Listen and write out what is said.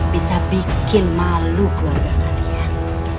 bisa bikin malu keluarga kalian